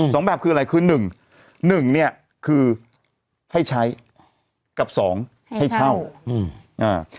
สองแบบคืออะไรคือหนึ่งหนึ่งเนี้ยคือให้ใช้กับสองให้เช่าอืมอ่า